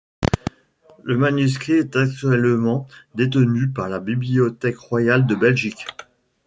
Le manuscrit est actuellement détenu par la Bibliothèque royale de Belgique.